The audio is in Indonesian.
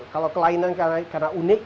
kalau kelainan karena unik